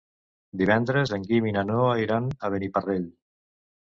Divendres en Guim i na Noa iran a Beniparrell.